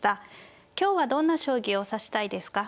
今日はどんな将棋を指したいですか。